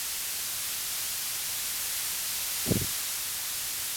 তার মাথায় জটাজুটের ওপর পড়া সূর্যমুখী ফুলের মতো বিস্তৃত বর্ণের টাইডাই টুপি।